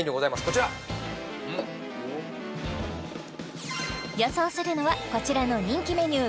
こちら予想するのはこちらの人気メニュー